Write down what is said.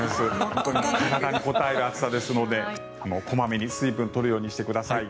本当に体にこたえる暑さですので小まめに水分を取るようにしてください。